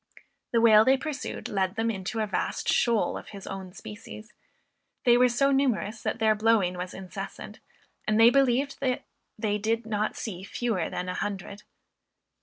The whale they pursued led them into a vast shoal of his own species; they were so numerous that their blowing was incessant, and they believed that they did not see fewer than an hundred.